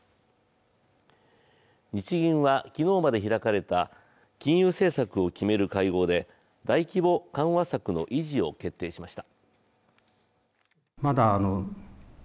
日銀は昨日まで開かれた金融政策を決める会合で大規模緩和策の維持を決定しました。